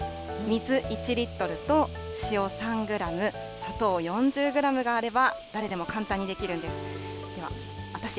水１リットルと塩３グラム、砂糖４０グラムがあれば、誰でも簡単にできるんです。